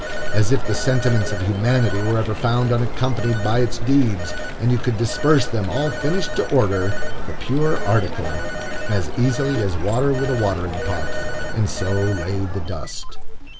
As if the sentiments of humanity were ever found unaccompanied by its deeds, and you could disperse them, all finished to order, the pure article, as easily as water with a watering pot, and so lay the dust.